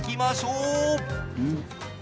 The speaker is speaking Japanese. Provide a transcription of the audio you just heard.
うん！